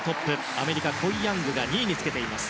アメリカ、コイ・ヤングが２位につけています。